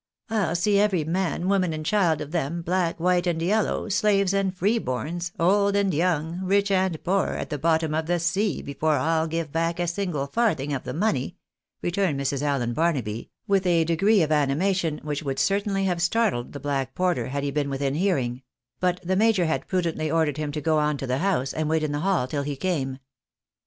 " I'll see every man, woman, and child of them, black, wliite, and yellow, slaves and free borns, old and young, rich and poor, at the bottom of the sea before I'll give back a single farthing of the money," returned Mrs. Allen Barnaby, with a degree of animation which would certainly have startled the black porter had he been within hearing ; but the major had prudently ordered him to gooo to the house, and wait in the hall till he came. AN EMBAKRASSING NOTE.